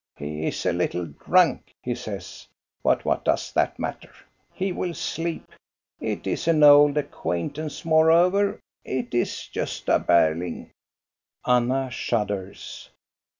"He is a little drunk," he says; "but what does that matter? He will sleep. It *s an old acquaint ance, moreover; it is Gosta Berling." Anna shudders.